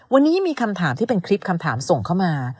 วันนี้มีคำถามที่เป็นคลิปคำถามส่งเข้ามา